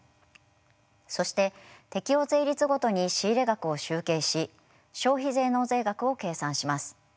そして適用税率ごとに仕入れ額を集計し消費税納税額を計算します。